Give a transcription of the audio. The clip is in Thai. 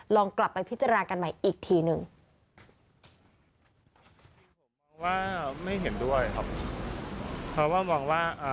ลองกลับไปพิจารณากันใหม่อีกทีหนึ่ง